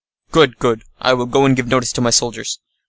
] "Good, good! I will go and give notice to my soldiers."